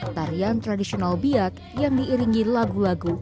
tarian tradisional biak yang diiringi lagu lagu